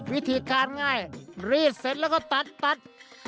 วิธีการง่ายรีดเสร็จแล้วก็ตัดตัด